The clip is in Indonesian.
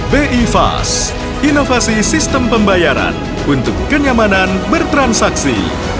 bi fast inovasi sistem pembayaran untuk kenyamanan bertransaksi